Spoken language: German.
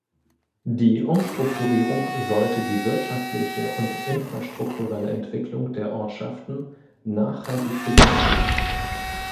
Die Umstrukturierung sollte die wirtschaftliche und infrastrukturelle Entwicklung der Ortschaften nachhaltig begünstigen.